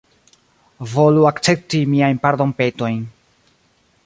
Volu akcepti miajn pardonpetojn.